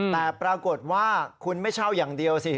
แต่ปรากฏว่าคุณไม่เช่าอย่างเดียวสิ